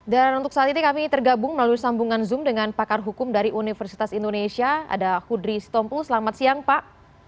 dan untuk saat ini kami tergabung melalui sambungan zoom dengan pakar hukum dari universitas indonesia ada kudri stompul selamat siang pak